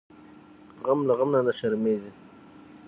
غم له غمه نه شرمیږي .